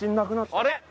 あれ？